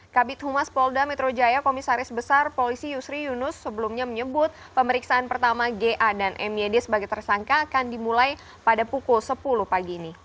kabit humas polda metro jaya komisaris besar polisi yusri yunus sebelumnya menyebut pemeriksaan pertama ga dan myd sebagai tersangka akan dimulai pada pukul sepuluh pagi ini